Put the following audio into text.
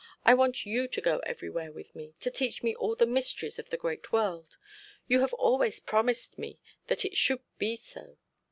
I want you to go everywhere with me, to teach me all the mysteries of the great world. You have always promised me that it should be so.'